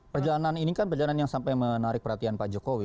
perjalanan ini kan perjalanan yang sampai menarik perhatian pak jokowi